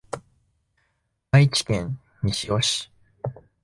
愛知県西尾市